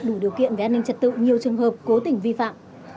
đủ điều kiện về an ninh trật tự nhiều trường hợp cố tình vi phạm